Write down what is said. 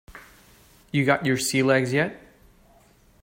You got your sea legs yet?